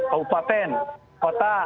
kepupaten kota kota